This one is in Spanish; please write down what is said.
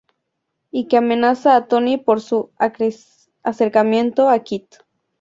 Y que amenaza a Tony por su acercamiento a Kit.